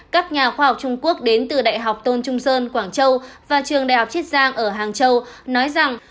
các nhà khoa học trung quốc đến từ đại học tôn trung sơn quảng châu và trường đại học chiết giang ở hàng châu nói rằng